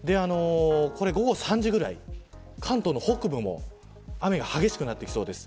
午後３時ぐらい関東の北部でも雨が激しくなってきそうです。